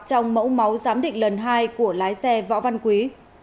trong mẫu máu giám định lần hai của lái xe võ văn quý